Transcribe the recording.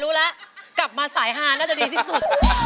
รู้แล้วกลับมาสายฮาน่าจะดีที่สุด